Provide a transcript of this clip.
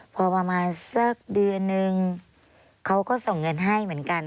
พอประมาณสักเดือนนึงเขาก็ส่งเงินให้เหมือนกัน